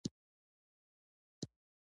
سوال دا دی چې دا ولې یو طرفه دي.